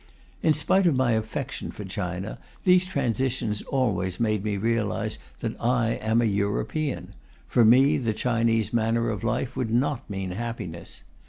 In spite of my affection for China, these transitions always made me realize that I am a European; for me, the Chinese manner of life would not mean happiness.